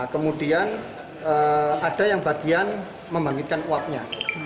kemudian ada yang bagian membangkitkan uapnya